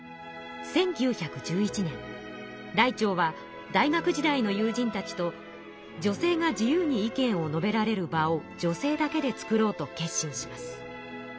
らいてうは大学時代の友人たちと女性が自由に意見を述べられる場を女性だけで作ろうと決心します。